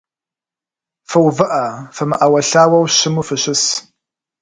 Фыувыӏэ, фымыӏэуэлъауэу, щыму фыщыс.